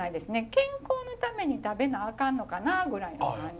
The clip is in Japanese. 健康のために食べなあかんのかなぐらいの感じ。